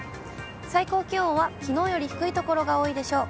最高気温はきのうより低い所が多いでしょう。